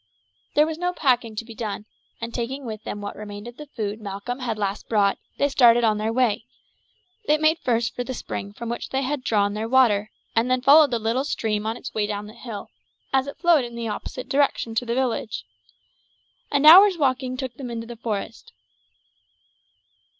There was no packing to be done, and taking with them what remained of the food Malcolm had last brought, they started on their way. They made first for the spring from which they had drawn their water, and then followed the little stream on its way down the hill, as it flowed in the opposite direction to the village. An hour's walking took them into the forest.